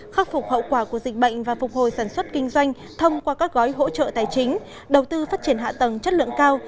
khắc phục hậu quả của dịch bệnh và phục hồi sản xuất kinh doanh thông qua các gói hỗ trợ tài chính đầu tư phát triển hạ tầng chất lượng cao